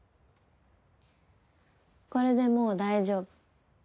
これでもう大丈夫。